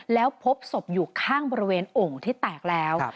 แล้วพบศพอยู่ข้างบริเวณโอ่งที่แตกแล้ว